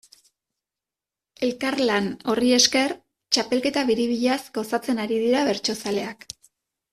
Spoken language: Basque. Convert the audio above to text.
Elkarlan horri esker, txapelketa biribilaz gozatzen ari dira bertsozaleak.